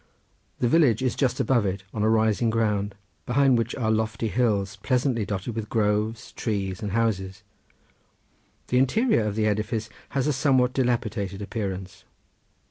The village is just above it on a rising ground, behind which are lofty hills pleasantly dotted with groves, trees and houses. The interior of the edifice has a somewhat dilapidated appearance.